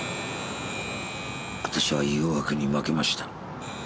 私は誘惑に負けました。